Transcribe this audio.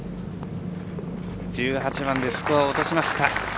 １８番でスコアを落としました。